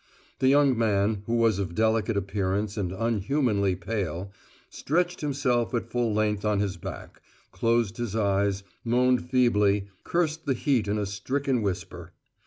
The young man, who was of delicate appearance and unhumanly pale, stretched himself at full length on his back, closed his eyes, moaned feebly, cursed the heat in a stricken whisper.